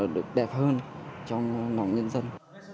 được đẹp hơn trong mong nhân dân